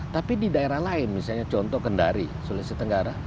tapi di daerah lain misalnya contoh kendari sulawesi tenggara